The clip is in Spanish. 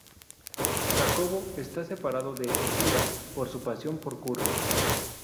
Jacopo está separado de Elvira por su pasión por Curra.